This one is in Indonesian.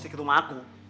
sini ke rumah aku